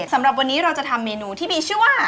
สำหรับวันนี้เราจะทำเมนูที่มีชื่อว่า